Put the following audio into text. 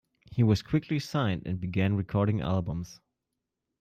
He was quickly signed and began recording albums.